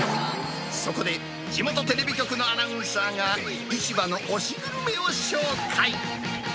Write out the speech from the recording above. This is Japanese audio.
そこで、地元テレビ局のアナウンサーが、市場の推しグルメを紹介。